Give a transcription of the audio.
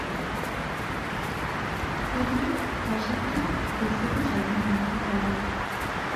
তিনি Washington, DC তে জন্মগ্রহণ করেন।